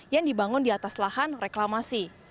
yang dibangun di atas lahan reklamasi